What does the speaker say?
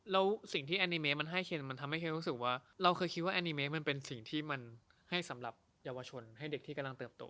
แล้วสิ่งที่แอนิเมคมันให้เคมันทำให้เครู้สึกว่าเราเคยคิดว่าแอนิเมคมันเป็นสิ่งที่มันให้สำหรับเยาวชนให้เด็กที่กำลังเติบโต